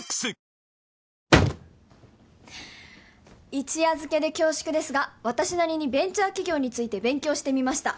一夜漬けで恐縮ですが私なりにベンチャー企業について勉強してみました